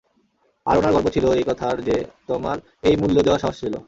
আর উনার গর্ব ছিল এই কথার যে তোমার এই মূল্যে দেওয়ার সাহস ছিল।